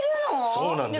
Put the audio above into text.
そうなんです。